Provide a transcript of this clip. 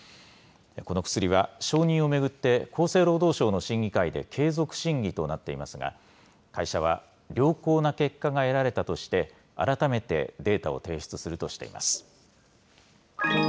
この薬は、承認を巡って、厚生労働省の審議会で継続審議となっていますが、会社は良好な結果が得られたとして、改めてデータを提出するとしています。